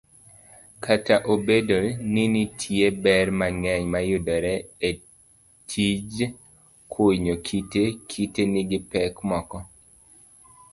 Kata obedo ninitie ber mang'eny mayudore etijkunyo kite, kite nigi pek moko.